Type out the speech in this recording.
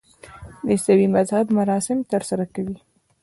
د عیسوي مذهب مراسم ترسره کوي.